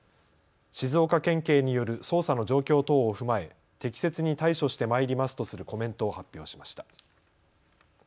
静岡県警による捜査の状況等を踏まえ適切に対処してまいりますとするコメントを発表しました。